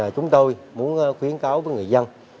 chúng tôi muốn khuyến cáo với người dân